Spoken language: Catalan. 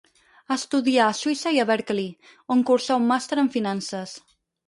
Estudià a Suïssa i a Berkeley, on cursà un màster en finances.